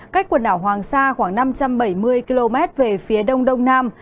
cách quần đảo hoàng sa khoảng năm trăm bảy mươi km về phía đông đông nam